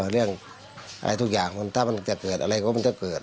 เรื่องอะไรทุกอย่างถ้ามันจะเกิดอะไรก็มันจะเกิด